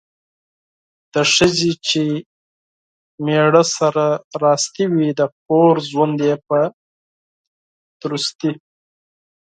د ښځې چې میړه سره راستي وي ،د کور ژوند یې په درستي